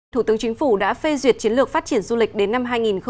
thủ tướng chính phủ đã phê duyệt chiến lược phát triển du lịch đến năm hai nghìn ba mươi